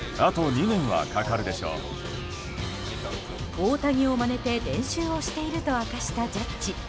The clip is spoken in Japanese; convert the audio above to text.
大谷をまねて練習をしていると明かしたジャッジ。